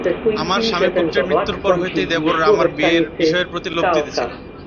আমার স্বামীপুত্রের মৃত্যুর পর হইতেই দেবররা আমার বিষয়ের প্রতি লোভ দিতেছিল।